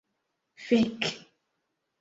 fek